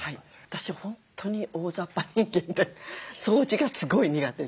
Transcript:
私本当に大ざっぱ人間で掃除がすごい苦手で大嫌いなんですね。